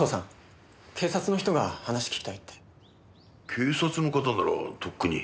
警察の方ならとっくに。